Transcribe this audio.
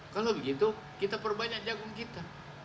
kalau begitu kita perbanyak jagung kita